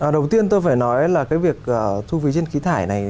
đầu tiên tôi phải nói là cái việc thu phí trên khí thải này